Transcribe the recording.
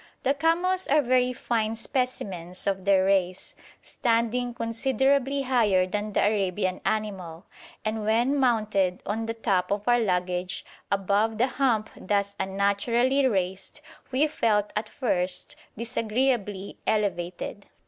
The camels are very fine specimens of their race, standing considerably higher than the Arabian animal, and when mounted on the top of our luggage, above the hump thus unnaturally raised, we felt at first disagreeably elevated.